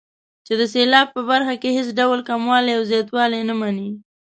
چې د سېلاب په برخه کې هېڅ ډول کموالی او زیاتوالی نه مني.